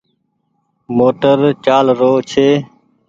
موٽر چآل رو ڇي۔